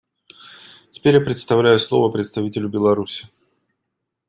Теперь я предоставляю слово представителю Беларуси.